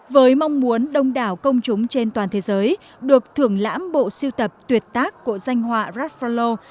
với mong muốn đông đảo công chúng trên toàn thế giới được thưởng lãm bộ siêu tập tuyệt tác của danh họa rafalo